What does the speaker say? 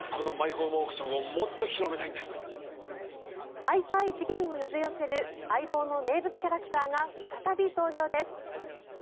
毎回、事件を呼び寄せる「相棒」の名物キャラクターが再び登場です。